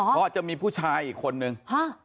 เพราะจะมีผู้ชายอีกคนนึง